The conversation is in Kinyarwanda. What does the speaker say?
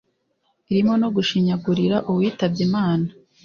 irimo no gushinyagurira uwitabye Imana